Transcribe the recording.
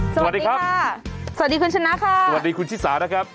สวัสดีครับค่ะสวัสดีคุณชนะค่ะสวัสดีคุณชิสานะครับ